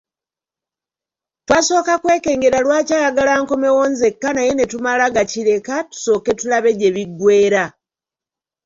Twasooka kwekengera lwaki ayagala nkomewo nzekka naye ne tumala gakireka tusooke tulabe gye biggweera.